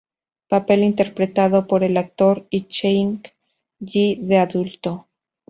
Papel interpretado por el actor y Cheng Yi de adulto.